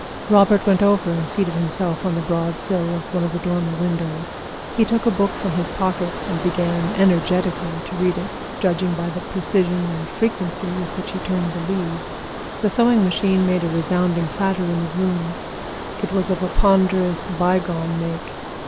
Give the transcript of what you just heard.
Robert went over and seated himself on the broad sill of one of the dormer windows. He took a book from his pocket and began energetically to read it, judging by the precision and frequency with which he turned the leaves. The sewing machine made a resounding clatter in the room; it was of a ponderous, by gone make.